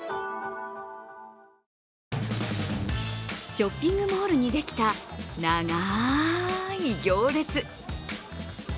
ショッピングモールにできた長い行列。